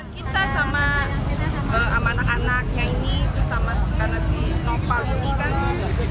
kita sama anak anaknya ini sama si nopal ini kan tetangga rumah terus anaknya juga baik